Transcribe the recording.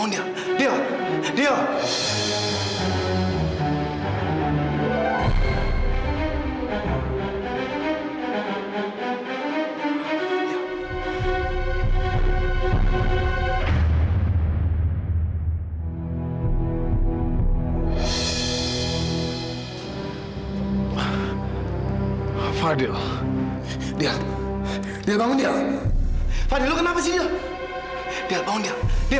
dia bangun dia